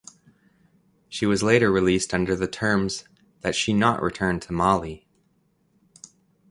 She was later released under the terms that she not return to Mali.